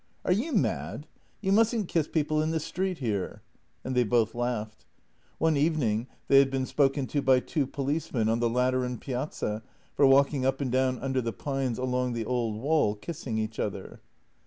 "Are you mad? You mustn't kiss people in the street here." And they both laughed. One evening they had been spoken to by two policemen on the Lateran piazza for walking up and down under the pines along the old wall kissing each other.